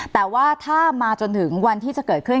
แต่ว่าถ้ามาจนถึงวันที่จะเกิดขึ้น